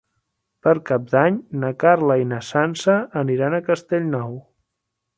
Per Cap d'Any na Carla i na Sança aniran a Castellnou.